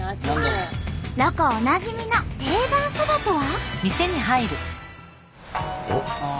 ロコおなじみの定番そばとは？